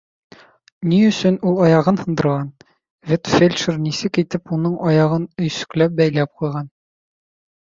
Ни өсөн ул аяғын һындырған, ветфельдшер нисек итеп уның аяғын өйсөкләп бәйләп ҡуйған.